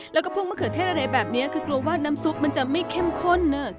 แล้วก็พวกมะเขือเทศอะไรแบบนี้คือกลัวว่าน้ำซุปมันจะไม่เข้มข้น